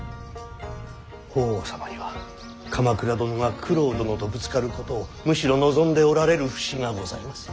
法皇様には鎌倉殿が九郎殿とぶつかることをむしろ望んでおられる節がございます。